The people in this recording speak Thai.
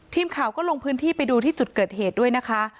ทีมข่าวก็ลงพื้นที่ไปดูที่จุดเกิดเหตุด้วยนะคะ